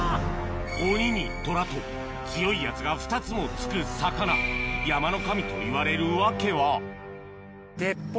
鬼に虎と強いやつが２つも付く魚山の神といわれる訳は？